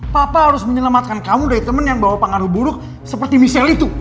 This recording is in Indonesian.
papa harus menyelamatkan kamu dari temen yang bawa pengaruh buruk seperti misal itu